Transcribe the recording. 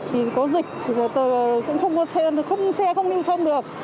thì có dịch thì tôi cũng không có xe xe không đi thông được